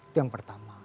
itu yang pertama